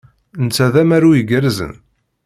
Netta d amaru igerrzen.